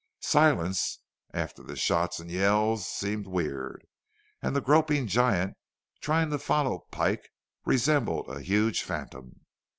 Silence, after the shots and yells, seemed weird, and the groping giant, trying to follow Pike, resembled a huge phantom.